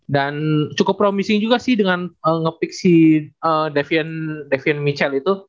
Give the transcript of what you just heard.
dan cukup promising juga sih dengan nge pick si davion mitchell